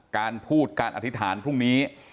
การพูดการอธิษฐานพรุ่งนี้